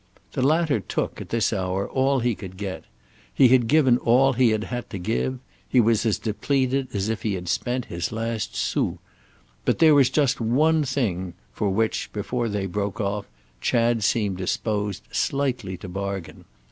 The latter took, at this hour, all he could get; he had given all he had had to give; he was as depleted as if he had spent his last sou. But there was just one thing for which, before they broke off, Chad seemed disposed slightly to bargain.